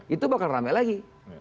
itu bakal ramai lagi